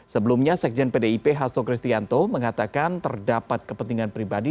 sebelumnya sekjen pdip hasto kristianto mengatakan terdapat kepentingan pribadi